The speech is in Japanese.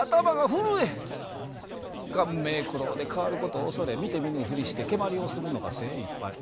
頑迷固陋で変わることを恐れ見て見ぬふりして蹴鞠をするのが精いっぱい。